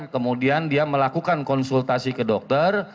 kemudian dia melakukan konsultasi ke dokter